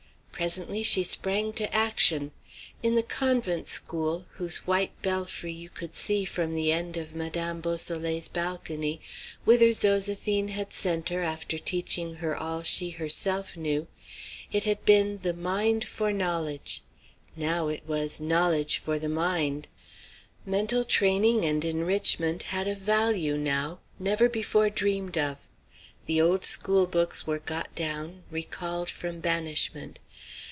Presently she sprang to action. In the convent school, whose white belfry you could see from the end of Madame Beausoleil's balcony, whither Zoséphine had sent her after teaching her all she herself knew, it had been "the mind for knowledge;" now it was "knowledge for the mind." Mental training and enrichment had a value now, never before dreamed of. The old school books were got down, recalled from banishment.